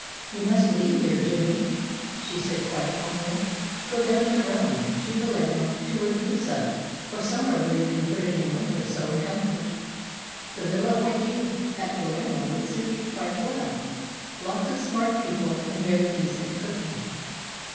"You must leave here, Jimmy," she had said quite calmly. "Go down to Rome, to Palermo, to Ragusa, or somewhere where you can put in a month or so in comfort. The Villa Igiea at Palermo would suit you quite well lots of smart people, and very decent cooking."